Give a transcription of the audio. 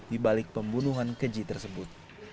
di balik pembunuhan keji tersebut